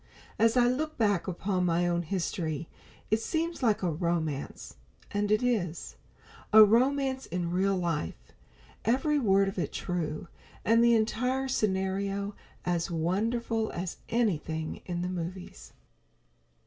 As I look back upon my own history, it seems like a romance. And it is; a romance in real life; every word of it true, and the entire scenario as wonderful as anything in the movies.